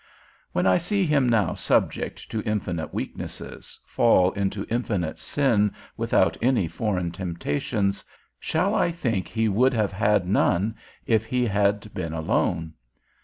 When I see him now subject to infinite weaknesses, fall into infinite sin without any foreign temptations, shall I think he would have had none, if he had been alone?